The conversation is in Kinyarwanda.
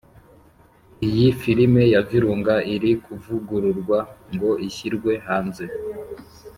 iyi filime ya Virunga, iri kuvugururwa ngo ishyirwe hanze.